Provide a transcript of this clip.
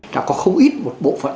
đã có không ít một bộ phản động